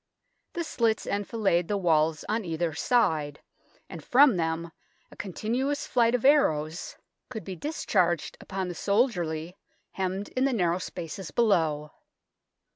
The slits enfilade the walls on either side, and from them a continuous flight of arrows could be dis 64 THE TOWER OF LONDON charged upon the soldiery hemmed in the narrow spaces below.